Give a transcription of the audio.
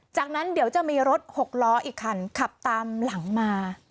จากนั้นเดี๋ยวจะมีรถหกล้ออีกคันขับตามหลังมา